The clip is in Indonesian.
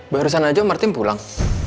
barusan aja martin pulang